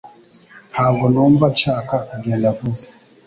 Ntabwo numva nshaka kugenda vuba